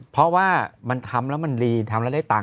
เพราะว่ามันทำแล้วมันลีนทำแล้วได้ตังค์